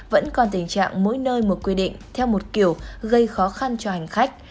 vẫn còn tình trạng mỗi nơi một quy định theo một kiểu gây khó khăn cho hành khách